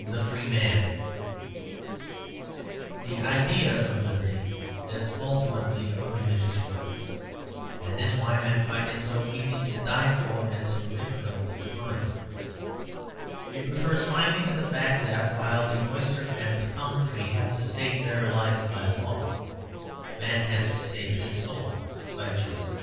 THE FREE MAN The idea of liberty has ultimately a religious root; that is why men find it so easy to die for and so difficult to define. It refers finally to the fact that, while the oyster and the palm tree have to save their lives by law, man has to save his soul by choice.